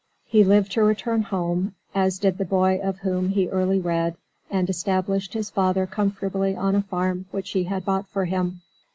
He lived to return home, as did the boy of whom he early read, and established his father comfortably on a farm which he had bought for him.